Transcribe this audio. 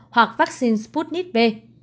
hoặc vaccine sputnik v